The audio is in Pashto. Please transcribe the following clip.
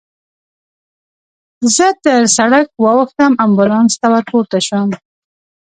زه تر سړک واوښتم، امبولانس ته ورپورته شوم.